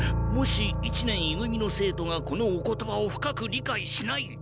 もし一年い組の生徒がこのお言葉を深く理かいしないで。